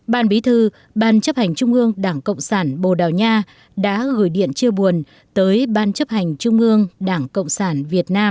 ban bí thư ban chấp hành trung ương đảng cộng sản bồ đào nha đã gửi điện chia buồn tới ban chấp hành trung ương đảng cộng sản việt nam